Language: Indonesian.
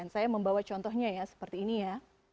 saya membawa contohnya ya seperti ini ya